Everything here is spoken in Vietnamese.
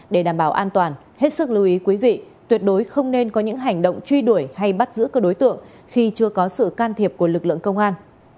để đảm bảo an toàn hết sức lưu ý quý vị tuyệt đối không nên có những hành động truy đuổi hay bắt giữ cơ đối tượng khi chưa có sự can thiệp của lực lượng công an